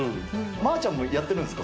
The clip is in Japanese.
まぁちゃんもやってるんですか？